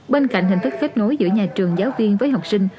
bên cạnh hình thức kết nối giữa nhà trường giáo viên với học sinh